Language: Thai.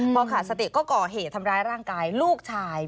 พอขาดสติก็ก่อเหตุทำร้ายร่างกายลูกชาย